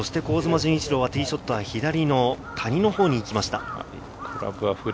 陣一朗、ティーショットは左の谷のほうに行きました。